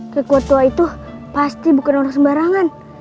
kekuatan tua itu pasti bukan orang sembarangan